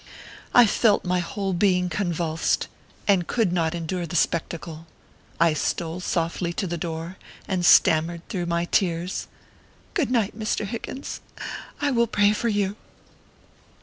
I felt my whole being convulsed, and could not en dure the spectacle. I stole softly to the door, and stammered through my tears, " Good night, Mr. Hig gins, I will pray for you."